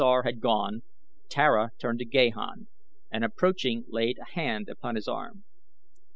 After Tasor had gone Tara turned to Gahan and approaching laid a hand upon his arm.